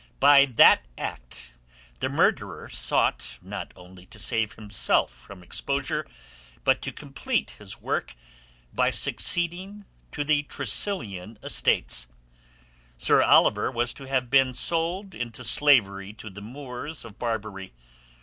"By that act the murderer sought not only to save himself from exposure, but to complete his work by succeeding to the Tressilian estates. Sir Oliver was to have been sold into slavery to the Moors of Barbary.